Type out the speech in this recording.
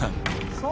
そう！